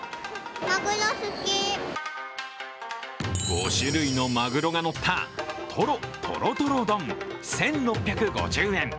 ５種類のマグロがのったトロトロとろ丼１６５０円。